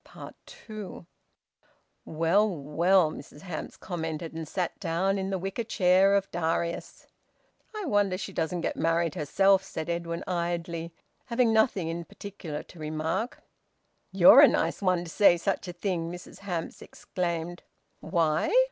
TWO. "Well, well!" Mrs Hamps commented, and sat down in the wicker chair of Darius. "I wonder she doesn't get married herself," said Edwin idly, having nothing in particular to remark. "You're a nice one to say such a thing!" Mrs Hamps exclaimed. "Why?"